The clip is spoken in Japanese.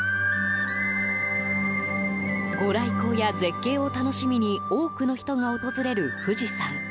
ご来光や絶景を楽しみに多くの人が訪れる富士山。